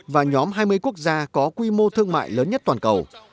và nhóm hai mươi quốc gia có quy mô thương mại lớn nhất toàn cầu